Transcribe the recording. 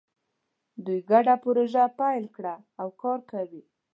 دوی ګډه پروژه پیل کړې او کار کوي